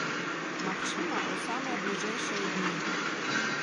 Магчыма, у самыя бліжэйшыя дні.